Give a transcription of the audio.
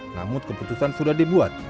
namun keputusan sudah dibuat